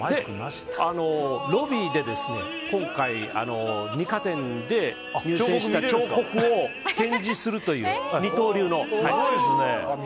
ロビーで今回二科展で入選した彫刻を展示するという二刀流の。